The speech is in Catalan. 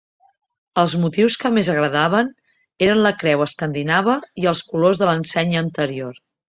Els motius que més agradaven eren la creu escandinava i els colors de l'ensenya anterior.